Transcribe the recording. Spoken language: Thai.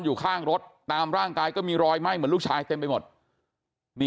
อยู่ข้างรถตามร่างกายก็มีรอยไหม้เหมือนลูกชายเต็มไปหมดนี่